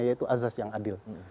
yaitu azas yang adil